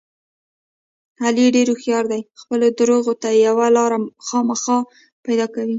علي ډېر هوښیار دی خپلو درغو ته یوه لاره خامخا پیدا کوي.